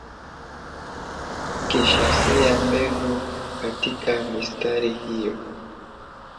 kisha sia mbegu katika mistari hiyo